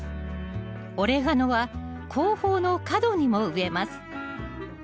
オレガノは後方の角にも植えます